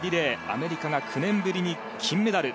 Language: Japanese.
アメリカが９年ぶりに金メダル。